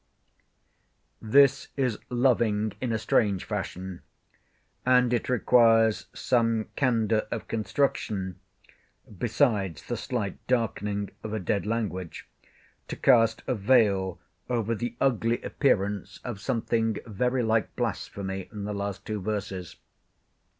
This is loving in a strange fashion; and it requires some candour of construction (besides the slight darkening of a dead language) to cast a veil over the ugly appearance of something very like blasphemy in the last two verses.